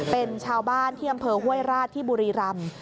เป็นชาวบ้านที่อำเภอห้วยราชที่บุรีรำ